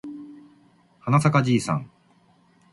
はなさかじいさん